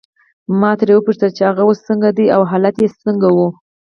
ما ترې وپوښتل چې هغه اوس څنګه دی او حالت یې څنګه وو.